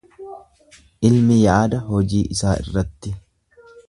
Ilmi yaada hojii isaa irratti.